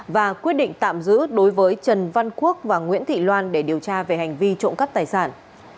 và quyết định tạm giữ đối với trần văn quốc và nguyễn thị loan để điều tra về hành vi trộm cắp tài sản